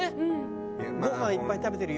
ごはんいっぱい食べてる夢。